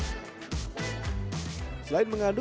selain mengaduk mesin ini juga bisa diaduk